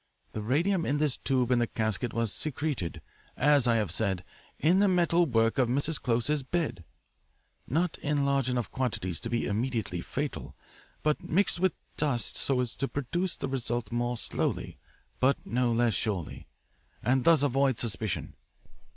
The radium in this tube in the casket was secreted, as I have said, in the metal work of Mrs. Close's bed, not in large enough quantities to be immediately fatal, but mixed with dust so as to produce the result more slowly but no less surely, and thus avoid suspicion.